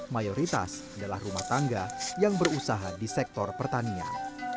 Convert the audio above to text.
mayoritas adalah rumah tangga yang berusaha di sektor pertanian